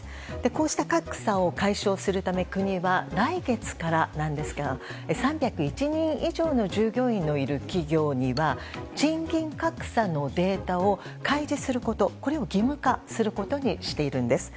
こうした格差を解消するため国は来月からですが３０１人以上の従業員のいる企業には賃金格差のデータを開示することを義務化することにしているんです。